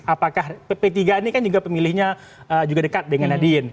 apakah p tiga ini kan juga pemilihnya juga dekat dengan nahdien